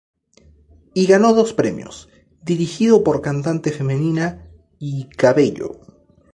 Y ganó dos premios: "Dirigido por cantante femenina" y "Cabello".